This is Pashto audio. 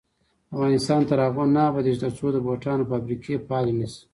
افغانستان تر هغو نه ابادیږي، ترڅو د بوټانو فابریکې فعالې نشي.